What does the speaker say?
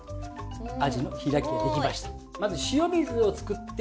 アジの開きができました。